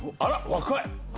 若い。